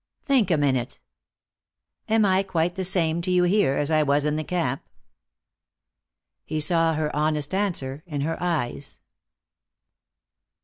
"Think a minute. Am I quite the same to you here, as I was in the camp?" He saw her honest answer in her eyes.